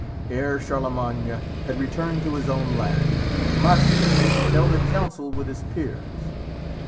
Ere Charlemagne had returned to his own land, Marsile held a council with his peers.